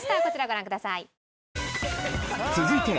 こちらご覧ください。